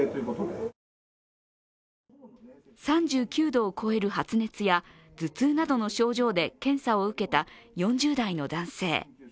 ３９度を超える発熱や頭痛などの症状で検査を受けた４０代の男性。